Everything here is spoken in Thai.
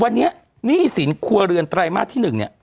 วันนี้หนี้สินครัวเรือนไตรมาสที่๑เนี่ย